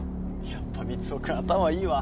やっぱミツオ君頭いいわ。